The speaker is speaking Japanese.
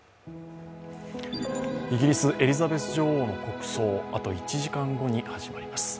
イギリス・エリザベス女王の国葬あと１時間後に始まります。